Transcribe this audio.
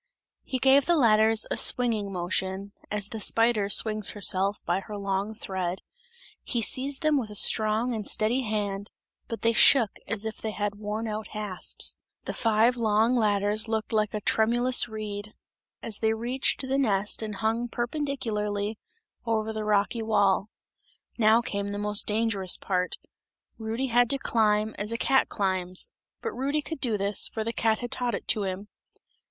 He gave the ladders a swinging motion as the spider swings herself by her long thread he seized them with a strong and steady hand, but they shook as if they had worn out hasps. The five long ladders looked like a tremulous reed, as they reached the nest and hung perpendicularly over the rocky wall. Now came the most dangerous part; Rudy had to climb as a cat climbs; but Rudy could do this, for the cat had taught it to him.